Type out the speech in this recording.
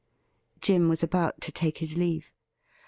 Jim was about to take his leave.